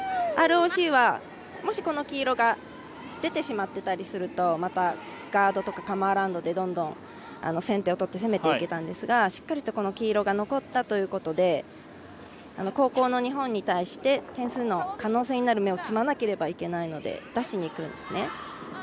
ＲＯＣは、もしこの黄色が出てしまってたりするとまた、ガードとかカム・アラウンドで先手を取って攻めていけたんですがしっかりと黄色が残ったということで後攻の日本に対して点数の可能性になる芽を摘まなければいけないので出しにいくんですね。